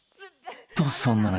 ［とそんな中］